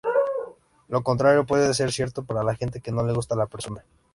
Lo contrario puede ser cierto para la gente que no le gusta la persona.